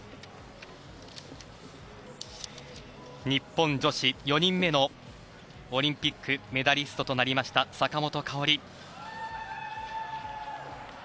日本女子４人目のオリンピックのメダリストとなりました坂本花織。